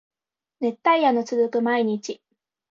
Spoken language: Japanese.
熱帯夜の続く毎日